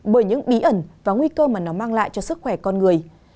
bởi những bí ẩn và nguy cơ mà nó mang lại cho sức khỏe con người